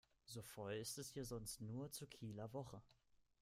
So voll ist es hier sonst nur zur Kieler Woche.